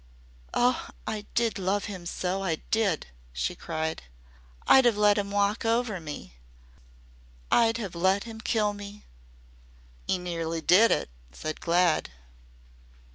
"Oh, I did love him so I did!" she cried. "I'd have let him walk over me. I'd have let him kill me." "'E nearly did it," said Glad.